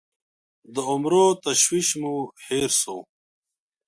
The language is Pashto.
د عمرو تشویش مو هېر سوو